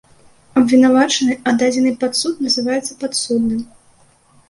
Абвінавачаны, аддадзены пад суд, называецца падсудным.